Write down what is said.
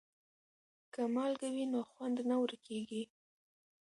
که مالګه وي نو خوند نه ورکیږي.